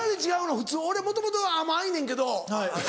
普通俺もともと甘いねんけど。